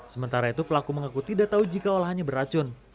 sementara itu pelaku mengaku tidak tahu jika olahannya beracun